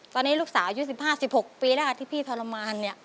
ตอนนี้ลูกสาวอายุสิบห้าสิบห้าสิบหกปีแล้วกันค่ะที่พี่ทรมานเนี่ย